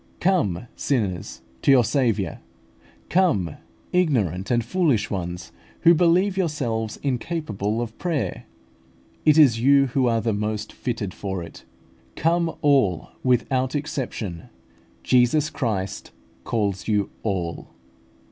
Come, sinners, to your Saviour. Come, ignorant and foolish ones, who believe yourselves incapable of prayer; it is you who are the most fitted for it. Come all without exception; Jesus Christ calls you all.